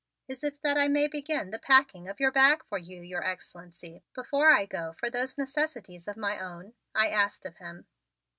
"Is it that I may begin the packing of your bag for you, Your Excellency, before I go for those necessities of my own?" I asked of him.